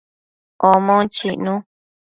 Omon chicnu